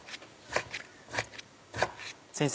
先生